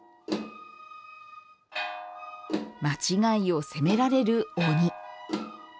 間違いを責められる鬼。